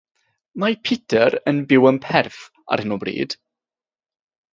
Mae Peter yn byw yn Perth ar hyn o bryd.